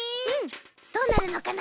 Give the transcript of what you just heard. どうなるのかな？